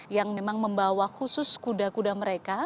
yang memang membawa khusus kuda kuda mereka